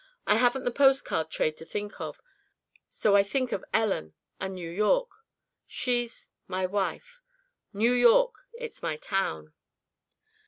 I haven't the post card trade to think of so I think of Ellen, and New York. She's my wife. New York it's my town.